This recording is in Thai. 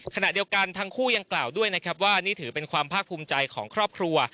ขณะเดียวกันทั้งคู่ยังกล่าวด้วยนะครับว่านี่ถือเป็นความภาคภูมิใจของครอบครัว